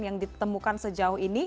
yang ditemukan sejauh ini